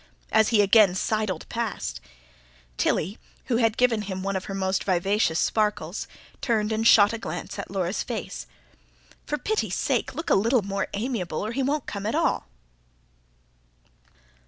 as he again sidled past, Tilly, who had given him one of her most vivacious sparkles, turned and shot a glance at Laura's face. "For pity's sake, look a little more amiable, or he won't come at all."